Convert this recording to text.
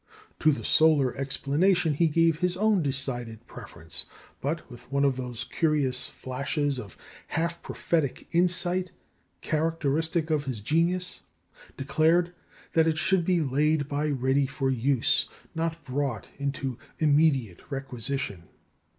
To the solar explanation he gave his own decided preference; but, with one of those curious flashes of half prophetic insight characteristic of his genius, declared that "it should be laid by ready for use, not brought into immediate requisition."